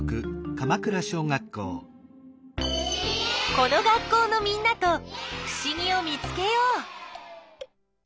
この学校のみんなとふしぎを見つけよう。